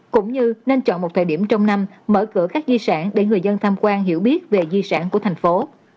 cũng như nên chọn một thời điểm trong năm mở cửa các di sản để người dân tham quan hiểu biết về di sản của thành phố